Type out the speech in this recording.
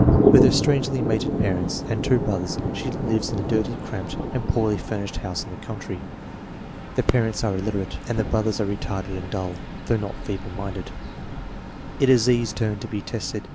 With her strangely mated parents and two brothers she lives in a dirty, cramped, and poorly furnished house in the country. The parents are illiterate, and the brothers are retarded and dull, though not feeble minded. It is Z's turn to be tested.